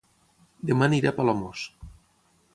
Dema aniré a Palamós